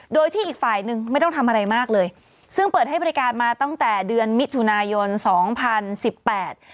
โดยที่อีกฝ่ายหนึ่งไม่ต้องทำอะไรมากเลยซึ่งเปิดให้บริการมาตั้งแต่เดือนมิถุนายนสองพันสิบแปด